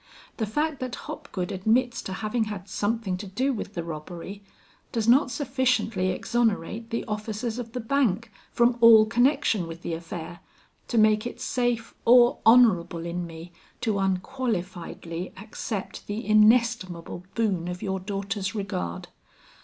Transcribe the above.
The fact that Hopgood admits to having had something to do with the robbery, does not sufficiently exonerate the officers of the bank from all connection with the affair, to make it safe or honorable in me to unqualifiedly accept the inestimable boon of your daughter's regard.